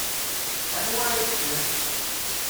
Anwa ara yeččen?